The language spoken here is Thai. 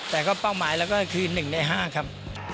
แต่ก็เป้าหมายเราก็คือ๑ใน๕ครับ